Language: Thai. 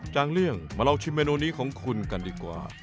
จางเลี่ยงมาลองชิมเมนูนี้ของคุณกันดีกว่า